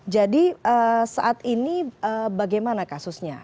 jadi saat ini bagaimana kasusnya